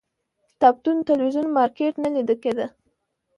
کتابتون، تلویزون، مارکيټ نه لیده کاته کړي